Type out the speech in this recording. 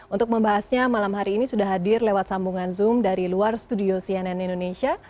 untuk membahasnya malam hari ini sudah hadir lewat sambungan zoom dari luar studio cnn indonesia